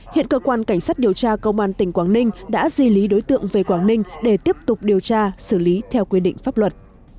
hiện cơ quan cảnh sát điều tra công an tỉnh quảng ninh đã di lý đối tượng về quảng ninh để tiếp tục điều tra xử lý theo quy định pháp luật